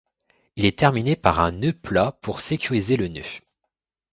Il est terminé par un nœud plat pour sécuriser le nœud.